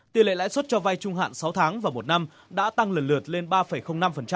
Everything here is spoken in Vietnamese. tỷ lệ lãi suất cho vai trung hạn sáu tháng và một năm đã tăng lần lượt lên ba năm